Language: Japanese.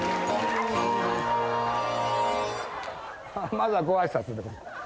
まずはご挨拶で。